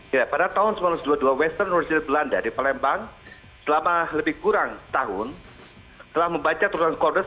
ya pada tahun seribu sembilan ratus dua puluh dua western rozil belanda di palembang selama lebih kurang tahun telah membaca turunan corner